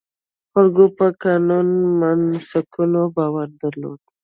خلکو په قانوني مناسکونو باور درلود.